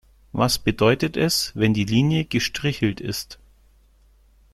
Was bedeutet es, wenn die Linie gestrichelt ist?